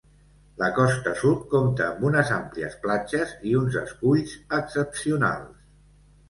La costa sud compta amb unes àmplies platges i uns esculls excepcionals.